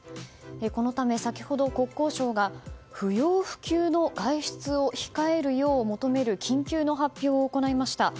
このため、先ほど国交省が不要不急の外出を控えるよう求める緊急の発表を行いました。